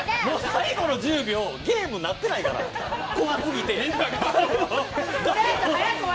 最後の１０秒、ゲームになってないから、怖すぎて。